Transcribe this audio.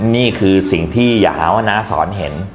นี่คือสิ่งที่อย่าหาว่าน้าสอนเห็น